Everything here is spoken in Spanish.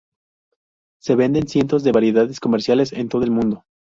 Se venden cientos de variedades comerciales en todo el mundo.